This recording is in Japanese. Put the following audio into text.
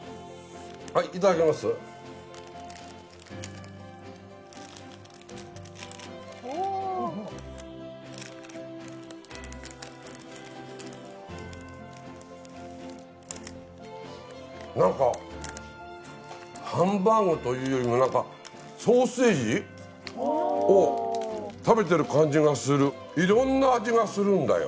はいいただきますおおーなんかハンバーグというよりもソーセージを食べてる感じがする色んな味がするんだよ